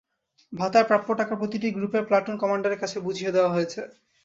ভাতার প্রাপ্য টাকা প্রতিটি গ্রুপের প্লাটুন কমান্ডারের কাছে বুঝিয়ে দেওয়া হয়েছে।